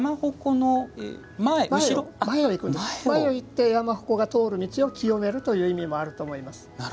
前を行って山鉾が通る道を清めるという意味もあると思います。